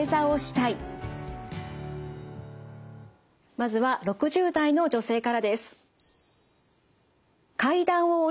まずは６０代の女性からです。